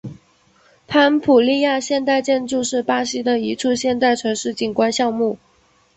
潘普利亚现代建筑是巴西的一处现代城市景观项目。